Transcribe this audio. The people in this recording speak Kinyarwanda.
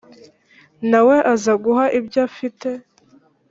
na we azaguha ibyo afite